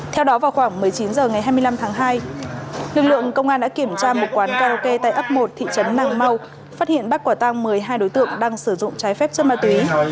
theo đó vào khoảng một mươi chín h ngày hai mươi năm tháng hai lực lượng công an đã kiểm tra một quán karaoke tại ấp một thị trấn nàng mau phát hiện bắt quả tăng một mươi hai đối tượng đang sử dụng trái phép chất ma túy